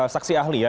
saksi ahli ya